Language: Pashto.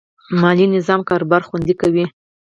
مالي نظم کاروبار خوندي کوي.